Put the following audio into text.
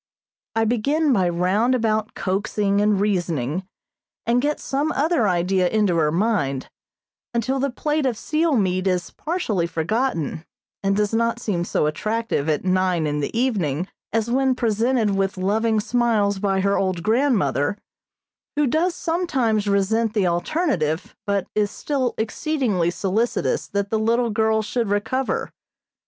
I begin by round about coaxing and reasoning, and get some other idea into her mind, until the plate of seal meat is partially forgotten, and does not seem so attractive at nine in the evening as when presented with loving smiles by her old grandmother, who does sometimes resent the alternative, but is still exceedingly solicitous that the little girl should recover.